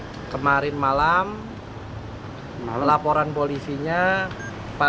untuk mencari keadilan kita harus mengambil keterangan yang terbaik